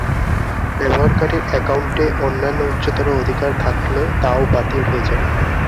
ব্যবহারকারীর অ্যাকাউন্টে অন্যান্য উচ্চতর অধিকার থাকলে তাও বাতিল হয়ে যাবে।